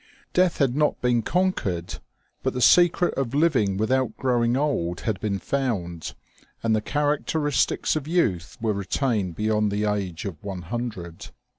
Death had not been conquered, but the secret of living without grow ing old had been found, and the characteristics of youth were retained beyond the age of one hundred.